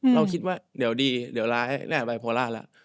เราคิดว่าเดี๋ยวดีเดี๋ยวร้ายแน่บายโพล่าแล้ว